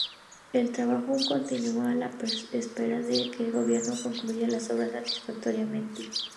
Los trabajos aún continúan a la espera que el gobierno concluya las obras satisfactoriamente.